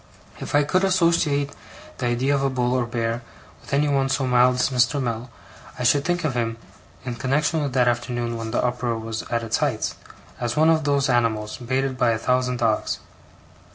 If I could associate the idea of a bull or a bear with anyone so mild as Mr. Mell, I should think of him, in connexion with that afternoon when the uproar was at its height, as of one of those animals, baited by a thousand dogs.